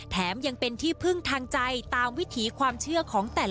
แถมยังเป็นที่พึ่งทางใจตามวิถีความเชื่อของแต่ละ